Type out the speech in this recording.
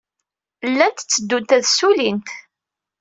Llant tteddunt ad ssullint.